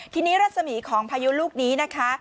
ทีนี้รัศมีของพายุลูกนี้นะคะ